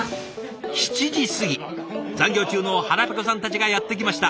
７時過ぎ残業中の腹ぺこさんたちがやって来ました。